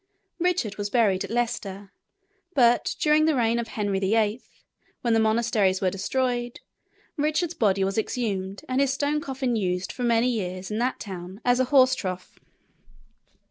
Richard was buried at Leicester; but during the reign of Henry VIII., when the monasteries were destroyed, Richard's body was exhumed and his stone coffin used for many years in that town as a horse trough.